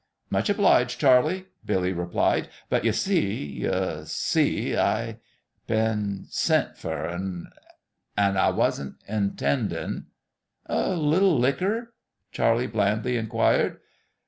" Much 'bliged, Charlie," Billy replied ;" but ye see ye see I been sent fer an' I wasn't intendin' "" A HT licker ?" Charlie blandly inquired.